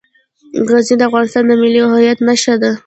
غزني د افغانستان د ملي هویت نښه ده.